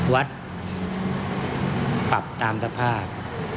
วัดปรับตามสภาพ